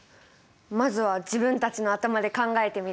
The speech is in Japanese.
まずは自分たちの頭で考えてみる。